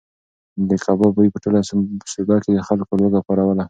د کباب بوی په ټوله سوبه کې د خلکو لوږه پاروله.